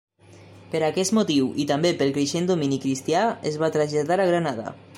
Per aquest motiu, i també pel creixent domini cristià, es va traslladar a Granada.